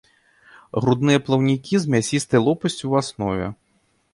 Грудныя плаўнікі з мясістай лопасцю ў аснове.